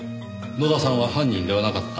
野田さんは犯人ではなかった？